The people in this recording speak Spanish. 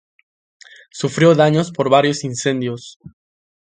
Sufrió daños por varios incendios.